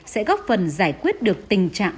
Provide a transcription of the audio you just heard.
sẽ góp phần giải quyết được tình trạng